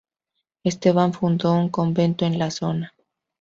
Esteban fundó un convento en la zona.